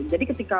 jadi ketika itu